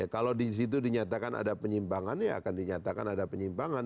kalau di situ dinyatakan ada penyimpangan ya akan dinyatakan ada penyimpangan